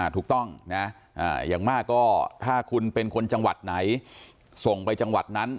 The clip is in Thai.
ถูกต้องนะอย่างมากก็ถ้าคุณเป็นคนจังหวัดไหนส่งไปจังหวัดนั้น